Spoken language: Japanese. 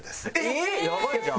えっやばいじゃん。